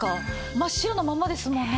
真っ白なままですもんね。